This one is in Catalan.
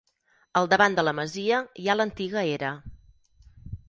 Al davant de la masia hi ha l'antiga era.